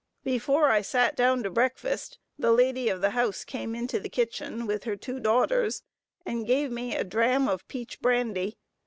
Before I sat down to breakfast, the lady of the house came into the kitchen, with her two daughters, and gave me a dram of peach brandy.